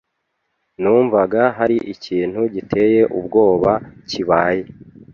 Numvaga hari ikintu giteye ubwoba kibaye.